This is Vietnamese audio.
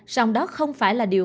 sau đó không phải là điều